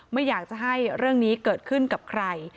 ไม่อยากจะให้เรื่องนี้เกิดขึ้นกับใคร